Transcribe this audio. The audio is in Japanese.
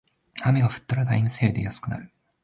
雨が降ったらタイムセールで安くなる